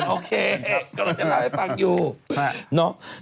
โอเคกำลังอย่าเป็นเรื่องด้วย